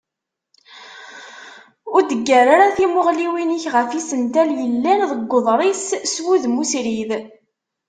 Ur d-ggar ara timuɣliwin-ik ɣef yisental yellan deg uḍris s wudem usrid.